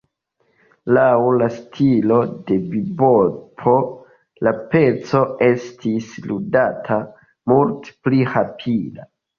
Laŭ la stilo de bibopo la peco estis ludata multe pli rapida.